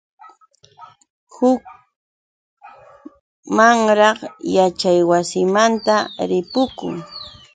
Huk mamram yaćhaywasimanta ripukun.